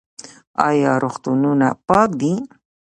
آیا روغتونونه پاک دي؟